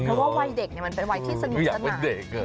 เพราะว่าวัยเด็กเนี่ยมันเป็นวัยที่สนุกสนาน